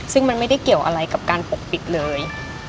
ซึ่งมันไม่ได้เกี่ยวอะไรกับการปกปิดเลย